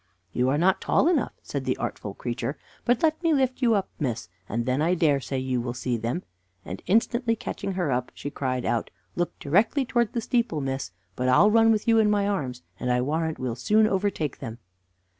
"You are not tall enough," said the artful creature; "but let me lift you up, miss, and then I dare say you will see them;" and, instantly catching her up, she cried out: "Look directly towards the steeple, miss; but I'll run with you in my arms, and I warrant we'll soon overtake them."